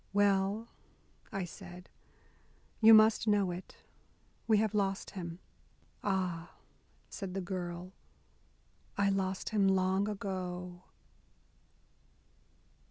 "Well," I said, "you must know it. We have lost him." "Ah!" said the girl, "I lost him long ago."